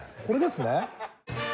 これですね？